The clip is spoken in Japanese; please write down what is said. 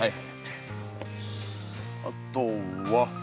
あとは。